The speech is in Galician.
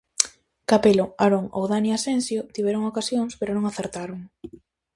Capelo, Arón ou Dani Asensio tiveron ocasións pero non acertaron.